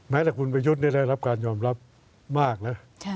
แต่คุณประยุทธ์ได้รับการยอมรับมากนะ